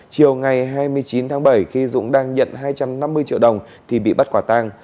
chiều ngày hai mươi chín tháng bảy khi dũng đang nhận hai trăm năm mươi triệu đồng thì bị bắt quả tàng